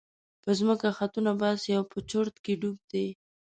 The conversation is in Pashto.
په ځمکه خطونه باسي او په چورت کې ډوب دی.